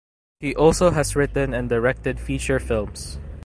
He also has written and directed feature films.